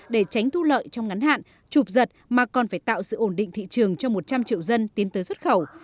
để tránh thu lợi trong ngắn hạn trụp giật mà còn phải tạo sự ổn định thị trường cho một trăm linh triệu dân tiến tới xuất khẩu